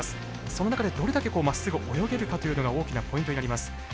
その中でどれだけまっすぐ泳げるかというのが大きなポイントになります。